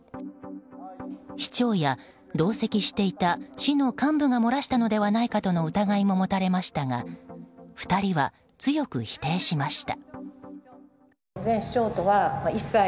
市長や、同席していた市の幹部が漏らしたのではないかとの疑いも持たれましたが２人は強く否定しました。